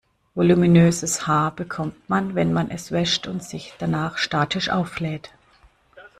Voluminöses Haar bekommt man, wenn man es wäscht und sich danach statisch auflädt.